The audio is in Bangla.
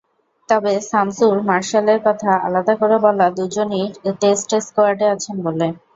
তবে শামসুর-মার্শালের কথা আলাদা করে বলা দুজনই টেস্ট স্কোয়াডে আছেন বলে।